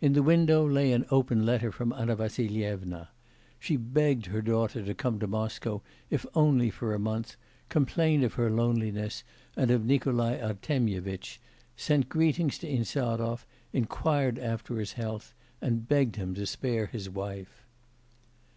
In the window lay an open letter from Anna Vassilyevna. She begged her daughter to come to Moscow if only for a month, complained of her loneliness, and of Nikolai Artemyevitch, sent greetings to Insarov, inquired after his health, and begged him to spare his wife.